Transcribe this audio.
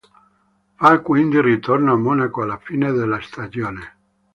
Fa quindi ritorno a Monaco alla fine della stagione.